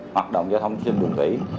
hoạt động giao thông thủy